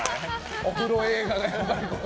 お風呂映画がやっぱり。